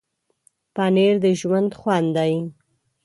پنېر د ژوند خوند دی.